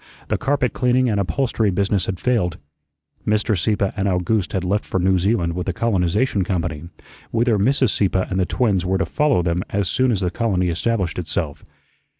The carpet cleaning and upholstery business had failed. Mr. Sieppe and Owgooste had left for New Zealand with a colonization company, whither Mrs. Sieppe and the twins were to follow them as soon as the colony established itself.